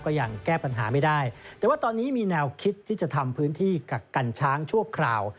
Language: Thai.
ยังแก้ปัญหาไม่ได้แต่ว่าตอนนี้มีแนวคิดที่จะทำพื้นที่กักกันช้างชั่วคราว